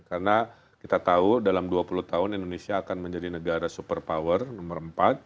karena kita tahu dalam dua puluh tahun indonesia akan menjadi negara super power nomor empat